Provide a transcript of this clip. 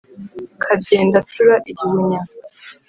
karyenda cura igihunya